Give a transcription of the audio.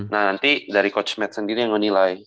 nah nanti dari coach matt sendiri yang ngenilai